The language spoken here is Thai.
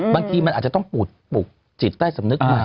บางทีมันอาจจะต้องปลูกจิตใต้สำนึกมา